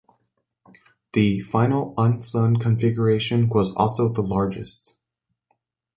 The final unflown configuration was also the largest.